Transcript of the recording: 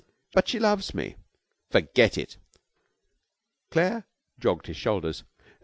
'But she loves me.' 'Forget it!' Claire jogged his shoulders.